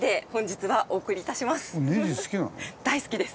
大好きです。